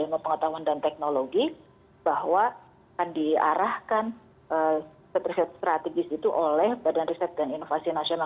ilmu pengetahuan dan teknologi bahwa akan diarahkan riset strategis itu oleh badan riset dan inovasi nasional